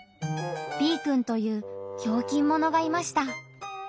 Ｂくんというひょうきんものがいました。